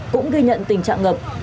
cũng ghi nhận tình trạng ngập